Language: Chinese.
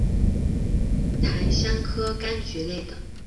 芸香科柑橘类等。